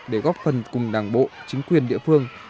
để góp phần cùng đảng bộ chính quyền địa phương